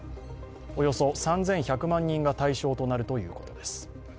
およそ３１００万人が対象となるということです。